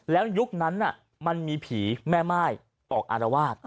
แล้วยุคนั้นมันมีผีแม่ม่ายออกอารวาส